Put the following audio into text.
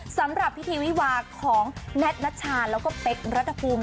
สำหรับพิธีวิวาของแน็ตนัชชาแล้วก็เป๊กรัฐภูมิ